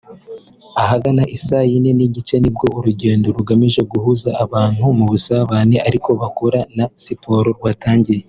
Ahagana i saa yine n’igice nibwo urugendo rugamije guhuza abantu mu busabane ariko bakora na siporo rwatangiye